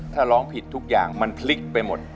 ถ้าร้องผิดทุกอย่างมันพลิกไปหมด